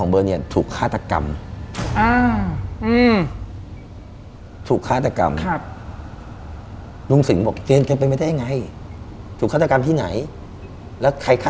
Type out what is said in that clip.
พี่น้ำตาบ๊วยเติมพี่น้ำตาบ๊วยเติมพี่น้ำตา